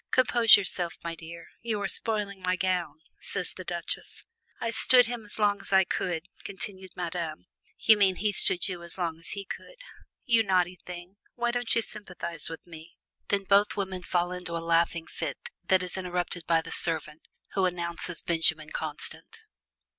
"Compose yourself, my dear you are spoiling my gown," says the Duchesse. "I stood him as long as I could," continued Madame. "You mean he stood you as long as he could." "You naughty thing! why don't you sympathize with me?" Then both women fall into a laughing fit that is interrupted by the servant, who announces Benjamin Constant.